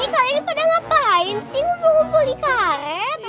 ini kalian pada ngapain sih ngumpul kumpul di karet